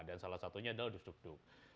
dan salah satunya adalah dus duk duk